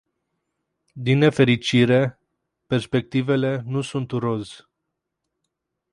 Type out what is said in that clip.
Din nefericire, perspectivele nu sunt roz.